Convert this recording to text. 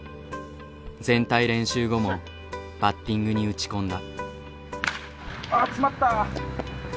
全体練習後もバッティングに打ち込んだ。